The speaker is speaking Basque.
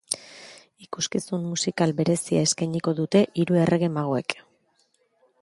Ikuskizun musikal berezia eskainiko dute hiru errege magoek.